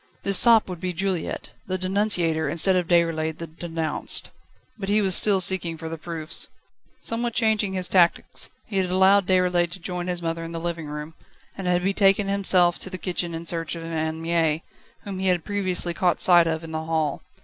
This sop would be Juliette, the denunciator instead of Déroulède the denounced. But he was still seeking for the proofs. Somewhat changing his tactics, he had allowed Déroulède to join his mother in the living room, and had betaken himself to the kitchen in search of Anne Mie, whom he had previously caught sight of in the hall.